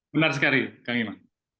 benar sekali kang iman